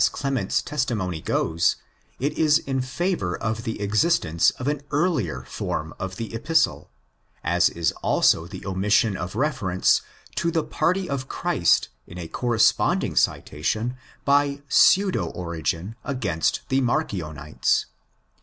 77). 172 THE EPISTLES TO THE CORINTHIANS goes, it is in favour of the existence of an earlier form of the Epistle ; as is also the omission of reference to the party of Christ in a corresponding citation by pseudo Origen against the Marcionites.